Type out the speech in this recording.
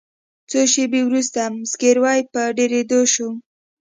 څو شیبې وروسته زګیروي په ډیریدو شو.